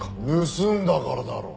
盗んだからだろ！